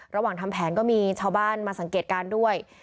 ระหว่างทำแผนก็มีชาวบ้านมาสังเกตการณ์ด้วย